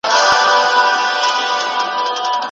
څوك به بولي له آمو تر اباسينه